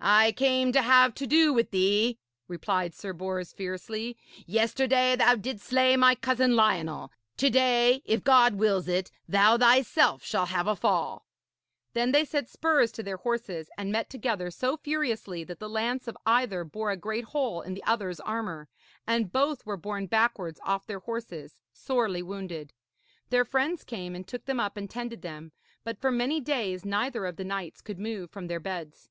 'I came to have to do with thee,' replied Sir Bors fiercely. 'Yesterday thou didst slay my cousin Lionel. To day, if God wills it, thou thyself shall have a fall.' Then they set spurs to their horses and met together so furiously that the lance of either bore a great hole in the other's armour, and both were borne backwards off their horses, sorely wounded. Their friends came and took them up and tended them, but for many days neither of the knights could move from their beds.